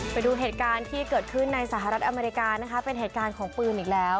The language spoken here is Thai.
ไปดูเหตุการณ์ที่เกิดขึ้นในสหรัฐอเมริกานะคะเป็นเหตุการณ์ของปืนอีกแล้ว